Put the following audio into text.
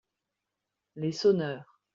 Les sonneurs.